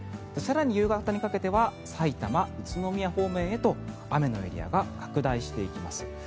更に夕方にかけては埼玉、宇都宮方面へと雨のエリアが拡大していきます。